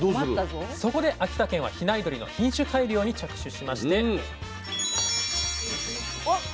そこで秋田県は比内鶏の品種改良に着手しまして。